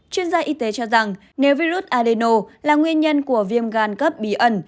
chuyên gia y tế cho rằng nếu virus adeno là nguyên nhân của viêm gan cấp bí ẩn